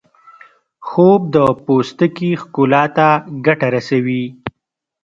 خوب د پوستکي ښکلا ته ګټه رسوي